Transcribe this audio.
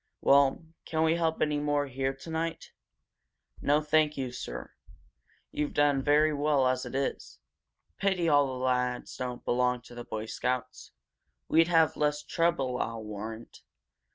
Well, can we help any more here tonight?" "No, thank you, sir. You've done very well as it is. Pity all the lads don't belong to the Boy Scouts. We'd have less trouble, I'll warrant.